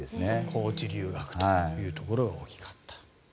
コーチ留学というところが大きかった。